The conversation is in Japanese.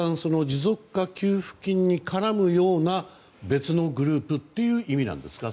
持続化給付金に絡むような別のグループという意味ですか？